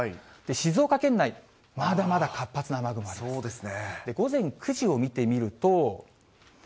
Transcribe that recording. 静岡県内、まだまだ活発な雨雲あります。